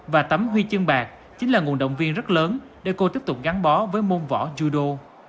và tấm huy chương bạc chính là nguồn động viên rất lớn để cô tiếp tục gắn bó với môn võ dudo